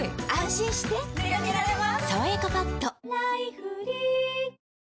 心してでかけられます